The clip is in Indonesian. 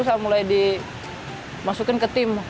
saya mulai dimasukin ke tim